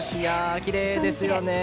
きれいですよね！